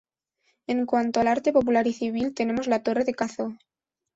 En cuanto al arte popular y civil, tenemos la torre de Cazo.